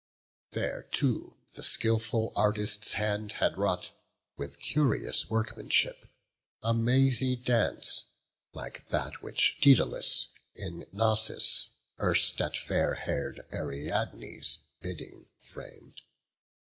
There, too, the skilful artist's hand had wrought With curious workmanship, a mazy dance, Like that which Daedalus in Cnossus erst At fair hair'd Ariadne's bidding fram'd.